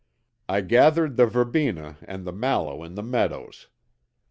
I gathered the verbena and the mallow in the meadows.